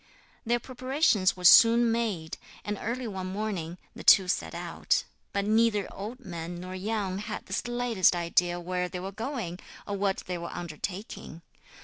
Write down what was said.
Their preparations were soon made, and early one morning the two set out. But neither old man nor young had the slightest idea where they were going, or what they were undertaking.